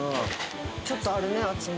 ちょっとあるね厚み。